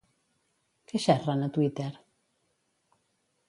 Què xerren a Twitter?